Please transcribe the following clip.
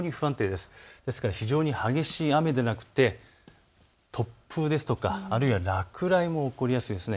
ですから非常に激しい雨でなくて突風ですとか、あるいは落雷も起こりやすいです。